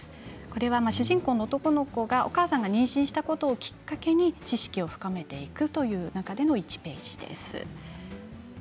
これは主人公の男の子がお母さんが妊娠したことをきっかけに、知識を深めていくという中での１ページです。